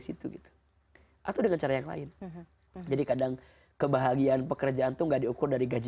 situ gitu atau dengan cara yang lain jadi kadang kebahagiaan pekerjaan tuh nggak diukur dari gaji